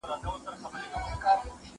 بې دلیله نازولی د بادار دی